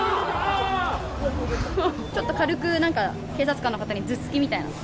ちょっと軽く、警察官の方に頭突きみたいな。